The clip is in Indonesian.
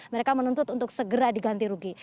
mereka menuntut untuk segera diganti rugi